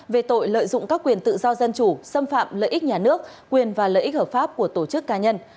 về tội lợi dụng các quyền tự do dân chủ xâm phạm lợi ích nhà nước quyền và lợi ích hợp pháp của tổ chức cá nhân